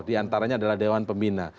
diantaranya adalah dewan pembina